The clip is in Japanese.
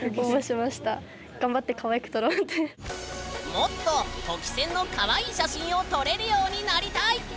もっととき宣のかわいい写真を撮れるようになりたい！